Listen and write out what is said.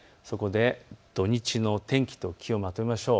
土日の天気と気温をまとめましょう。